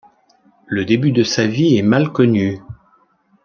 Le début de sa vie est mal connu.